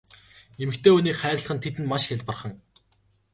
Эмэгтэй хүнийг хайрлах нь тэдэнд маш хялбархан.